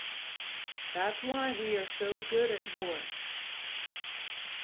That's why we are so good at war!